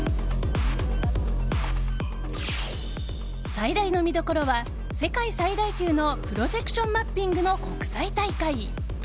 最大の見どころは、世界最大級のプロジェクションマッピングの国際大会。